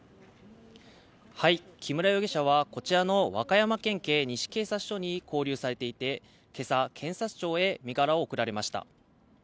木村容疑者はこちらの和歌山県警西警察署に勾留されていて、今朝、検察庁へ身柄を送られました。